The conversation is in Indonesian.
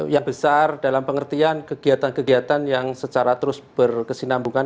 yang besar dalam pengertian kegiatan kegiatan yang secara terus berkesinambungan